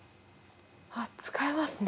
あっ使えますね。